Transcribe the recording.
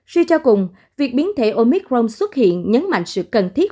suy cho cùng việc biến thể omicron xuất hiện nhấn mạnh sự cần thiết